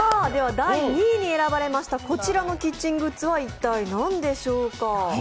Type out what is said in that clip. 第２位に選ばれましたこちらのキッチングッズは一体何でしょうか？